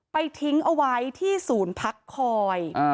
ทิ้งเอาไว้ที่ศูนย์พักคอย